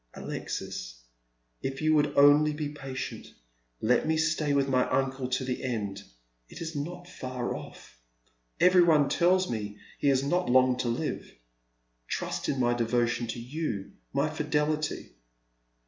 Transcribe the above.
" Alexis, if you would only be patient ! Let me stay with my uncle to the end. It is not far off. Every one tells me he has not long to live. Trust in my devotion to you, _my fidelity."